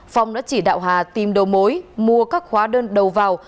phong đã chỉ đạo hà tìm đầu mối mua các hóa đơn đầu vào